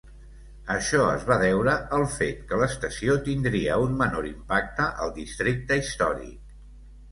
Això es va deure al fet que l'estació tindria un menor impacte al districte històric.